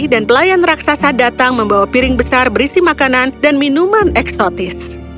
dan pelayan raksasa datang membawa piring besar berisi makanan dan minuman eksotis